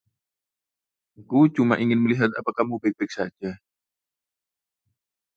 Aku cuma ingin melihat apa kamu baik-baik saja.